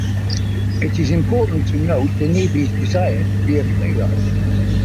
It is important to note Denevi's desire to be a playwright.